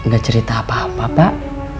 gak cerita apa apa pak